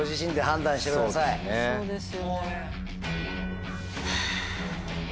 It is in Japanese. そうですよね。